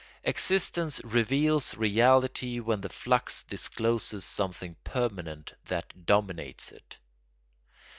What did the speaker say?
Existence reveals reality when the flux discloses something permanent that dominates it.